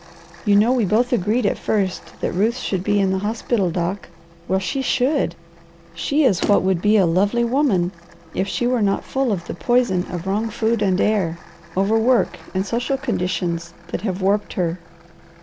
You know we both agreed at first that Ruth should be in the hospital, Doc. Well, she should! She is what would be a lovely woman if she were not full of the poison of wrong food and air, overwork, and social conditions that have warped her.